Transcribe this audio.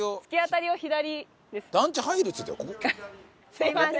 すいません。